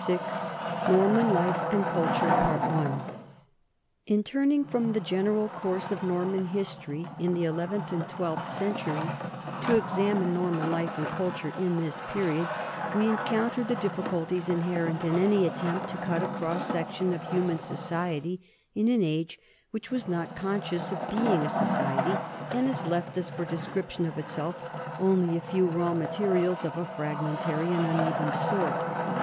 VI NORMAN LIFE AND CULTURE IN turning from the general course of Norman his tory in the eleventh and twelfth centuries to ex amine Norman life and culture in this period, we encounter the difficulties inherent in any attempt to cut a cross section of human society in an age which was not conscious of being a society and has left us for the description of itself only raw materials of a fragmen tary and uneven sort.